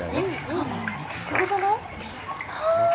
あ、ここじゃない？